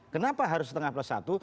kenapa harus setengah plus satu